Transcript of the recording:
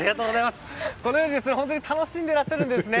このように本当に楽しんでいらっしゃるんですね。